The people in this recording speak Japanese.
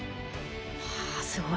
はあすごい。